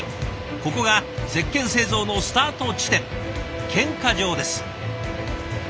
ここが石鹸製造のスタート地点鹸化場です。